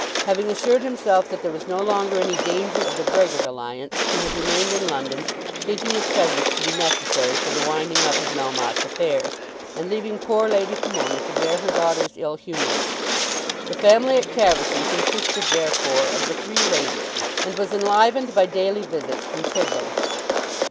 Having assured himself that there was no longer any danger of the Brehgert alliance he had remained in London, thinking his presence to be necessary for the winding up of Melmotte's affairs, and leaving poor Lady Pomona to bear her daughter's ill humour. The family at Caversham consisted therefore of the three ladies, and was enlivened by daily visits from Toodlam.